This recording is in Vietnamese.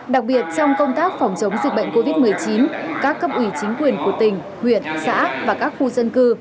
đặc biệt trong công tác phòng chống dịch bệnh covid một mươi chín các cấp ủy chính quyền của tỉnh huyện xã và các khu dân cư